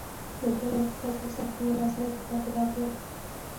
دوی له ابوالفضل سره په مناظره کې پاتې راغلل.